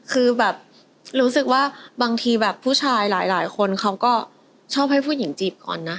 คือแบบรู้สึกว่าบางทีแบบผู้ชายหลายคนเขาก็ชอบให้ผู้หญิงจีบก่อนนะ